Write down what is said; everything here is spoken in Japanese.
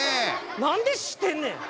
何で知ってんねん。